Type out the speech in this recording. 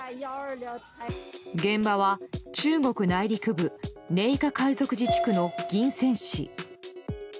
現場は、中国内陸部寧夏回族自治区の銀川市。